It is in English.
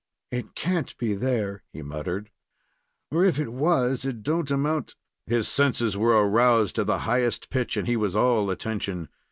"It can't be there," he muttered; "or if it was, it do n't amount " His senses were aroused to the highest pitch, and he was all attention.